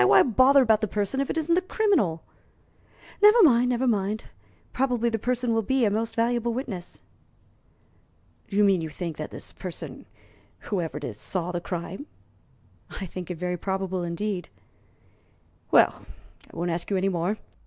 Why bother about the person if it isn't the criminal?" "Never mind never mind; probably the person will be a most valuable witness." "Do you mean you think this person whoever it is saw the crime?" "I think it very probable indeed." "Well, I won't ask you any more.